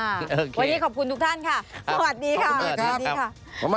วันนี้ขอบคุณทุกท่านค่ะสวัสดีค่ะ